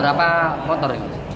berapa motor ini